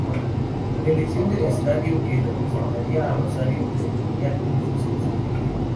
La elección del estadio que representaría a Rosario en el Mundial no fue sencilla.